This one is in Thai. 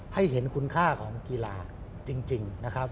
ให้เห็นคุณค่าของกีฬาจริงนะครับ